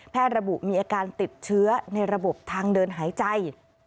ระบุมีอาการติดเชื้อในระบบทางเดินหายใจ